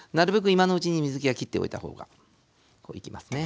今のうちに水けは切っておいたほうがいきますね。